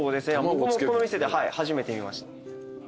僕もこの店で初めて見ました。